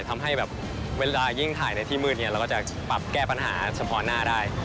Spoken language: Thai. ทำให้แบบเวลายิ่งถ่ายในที่มืดเราก็จะปรับแก้ปัญหาเฉพาะหน้าได้